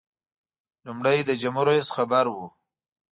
لومړی د جمهور رئیس خبر و.